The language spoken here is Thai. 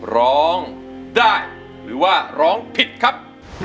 ร้องได้หรือว่าร้องผิดครับ